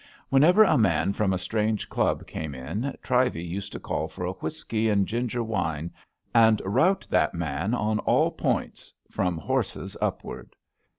Whenever a man from a strange Club came in Trivey used to call for a whisky and ginger wine and rout that man on all points — from horses upward.